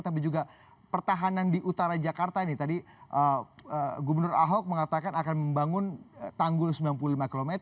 tapi juga pertahanan di utara jakarta ini tadi gubernur ahok mengatakan akan membangun tanggul sembilan puluh lima km